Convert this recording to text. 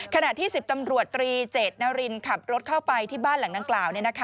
ขณะที่๑๐ตำรวจตรีเจดนารินขับรถเข้าไปที่บ้านหลังดังกล่าว